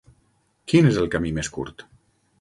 Quin és el camí més curt?